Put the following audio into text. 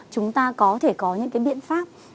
chúng ta có thể có những cái biện pháp